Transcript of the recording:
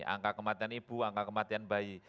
angka kematian ibu angka kematian bayi